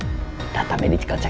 karena data medical check up pajaka